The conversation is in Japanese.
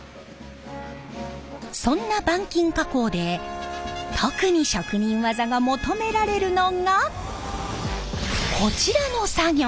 そんな板金加工で特に職人技が求められるのがこちらの作業！